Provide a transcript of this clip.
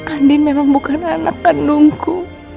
andi memang bukan anak kandungku